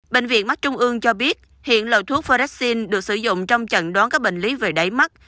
bệnh viện mắc trung ương cho biết hiện lợi thuốc foresin được sử dụng trong trận đoán các bệnh lý về đáy mắt